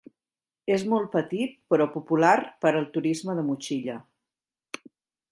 És molt petit, però popular per al turisme de motxilla.